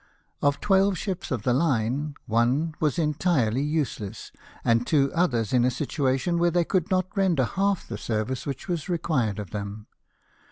Of twelve ships of the line, one was entirely useless, and two others in a situation where they could not render half the service which was required of them.